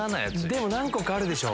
でも何個かあるでしょ。